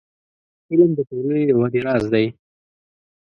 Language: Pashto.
• علم، د ټولنې د ودې راز دی.